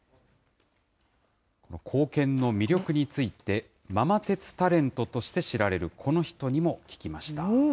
硬券の魅力について、ママ鉄タレントとして知られるこの人にも聞きました。